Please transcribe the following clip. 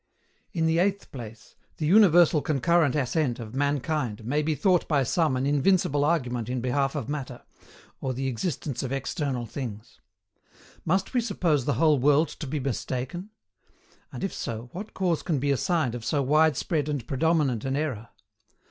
In the eighth place, the universal concurrent assent of mankind may be thought by some an invincible argument in behalf of Matter, or the existence of external things. Must we suppose the whole world to be mistaken? And if so, what cause can be assigned of so widespread and predominant an error?